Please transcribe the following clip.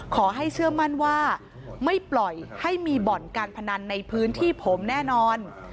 เชื่อมั่นว่าไม่ปล่อยให้มีบ่อนการพนันในพื้นที่ผมแน่นอน